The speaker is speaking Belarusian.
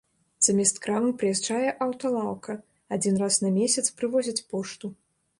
Замест крамы прыязджае аўталаўка, адзін раз на месяц прывозяць пошту.